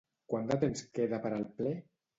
Quant de temps queda per al ple?